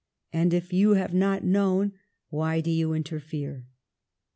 And, if you have not known, why do you interfere?"